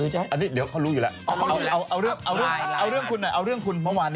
ให้เยอะ